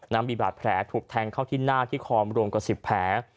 มีบาดแผลถูกแทงเข้าที่หน้าที่คอมรวมกว่า๑๐แผล